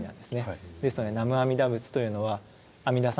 ですので南無阿弥陀仏というのは阿弥陀様